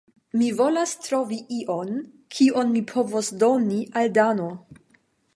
Mi volas trovi ion, kion mi povos doni al Dano.